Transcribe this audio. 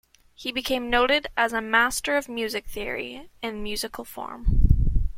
He became noted as a master of music theory and musical form.